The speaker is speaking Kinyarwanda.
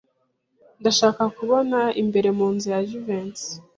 Ndashaka kubona imbere mu nzu ya Jivency.